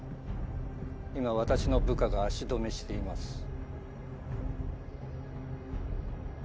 今私の部下が足止めしています